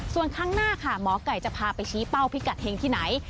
ส่วนครั้งหน้าค่ะหมอไก่จะพาไปชี้เป้าพิกัดเฮงที่ไหน